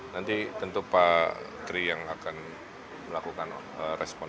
nanti tentu pak tri yang akan melakukan respon